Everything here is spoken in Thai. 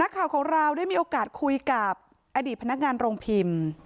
ข่าวของเราได้มีโอกาสคุยกับอดีตพนักงานโรงพิมพ์